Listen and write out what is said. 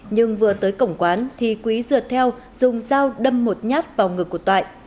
nhưng vừa tới cổng quán thì quý dựa theo dùng dao đâm một nhát vào ngực của toại